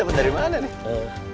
dapet dari mana nih